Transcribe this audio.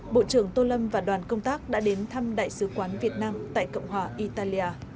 bộ trưởng tô lâm và đoàn công tác đã đến thăm đại sứ quán việt nam tại cộng hòa italia